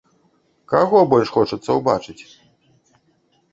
Каго больш хочацца ўбачыць?